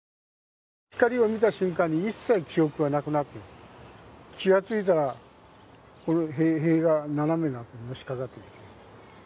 光を見た瞬間に一切記憶がなくなって気がついたら、この塀が斜めになって、のしかかってきて。